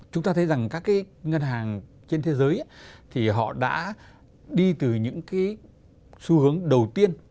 chúng ta thấy rằng các ngân hàng trên thế giới đã đi từ những xu hướng đầu tiên